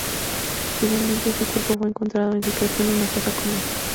Finalmente, su cuerpo fue enterrado en secreto en una fosa común.